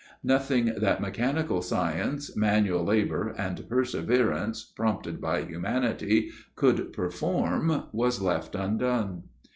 Nothing that mechanical science, manual labor, and perseverance, prompted by humanity, could perform, was left undone.